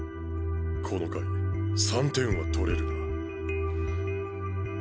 この回３点は取れるな。